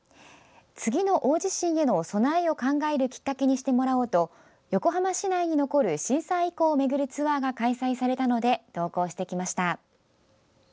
次の大地震への備えを考えるきっかけにしてもらおうと横浜市内に残る震災遺構をめぐるツアーが開催されたので同行してきました。